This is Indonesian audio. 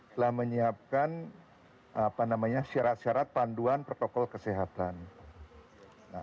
telah menyiapkan syarat syarat panduan protokol kesehatan